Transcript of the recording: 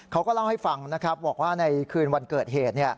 เขาก็เล่าให้ฟังนะครับบอกว่าในคืนวันเกิดเหตุ